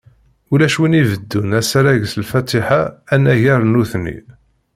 Ulac win ibeddun asarag s Lfatiḥa anagar nutni.